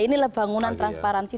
ini lah bangunan transparansi